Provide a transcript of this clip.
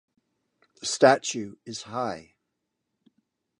The statue is high.